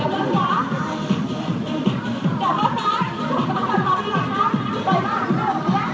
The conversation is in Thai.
แล้วสอบค่ะต้องแขนลงให้ก่อนนะครับต่อจากหลุมหัว